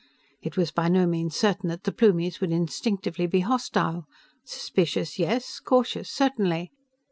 It was by no means certain that the Plumies would instinctively be hostile. Suspicious, yes. Cautious, certainly.